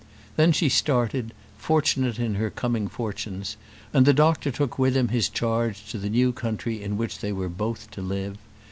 Then she started, fortunate in her coming fortunes; and the doctor took with him his charge to the new country in which they were both to live.